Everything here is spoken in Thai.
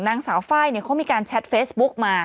นางสาวไฟล์เขามีการแชทเฟซบุ๊กมา